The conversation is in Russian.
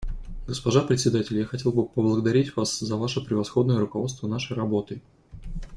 Госпожа Председатель, я хотел бы поблагодарить вас за ваше превосходное руководство нашей работой.